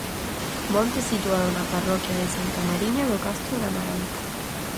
Monte situado na parroquia de Santa Mariña do Castro de Amarante.